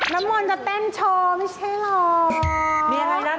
น้ำมนต์จะเต้นโชว์ไม่ใช่หรอก